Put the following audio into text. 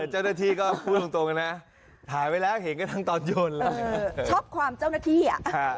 ชอบความเจ้าหน้าที่